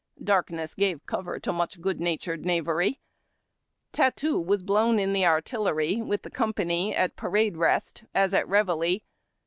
Darkness gave cover to much good natured knavery. Tattoo was blown in artillery with the company at » Pa rade Rest," as at Reveille.